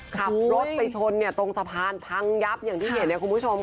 ขับรถไปชนตรงสะพานพังยับอย่างที่เห็นในคุณผู้ชม